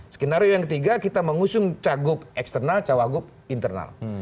skenario yang ketiga kita mengusung cagup eksternal cawagup internal